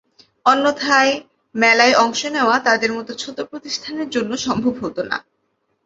অন্যথায় মেলায় অংশ নেওয়া তাঁদের মতো ছোট প্রতিষ্ঠানের জন্য সম্ভব হতো না।